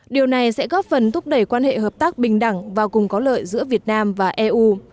điều này sẽ góp phần thúc đẩy quan hệ hợp tác bình đẳng và cùng có lợi giữa việt nam và eu